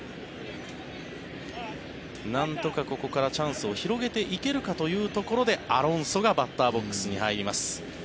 なんとかここからチャンスを広げていけるかというところでアロンソがバッターボックスに入ります。